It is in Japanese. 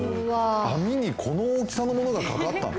網にこの大きさのものがかかったの？